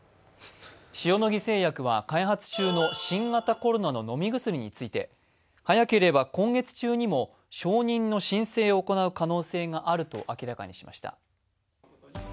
塩野義製薬は開発中の新型コロナの飲み薬について、早ければ今月中にも承認の申請を行う可能性があると明らかにしました。